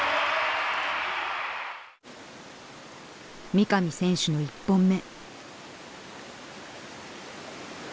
三上選手の１本目。